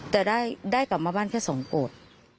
แต่ได้กลับมาบ้านแค่๒โกรธ